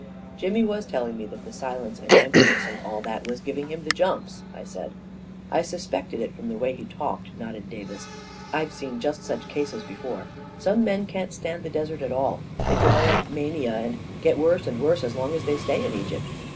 " Jimmy was telling me that the silence and empti ness and all that was giving him the jumps," I said. " I suspected it from the way he talked," nodded Davis. " I've seen just such cases before. Some men can't stand the desert at all — they develop mania and get worse and worse as long as they stay in Egypt.